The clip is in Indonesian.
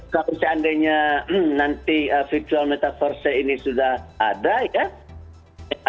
kalau seandainya nanti virtual metaverse ini sudah ada ya